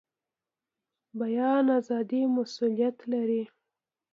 بیان ازادي مسوولیت لري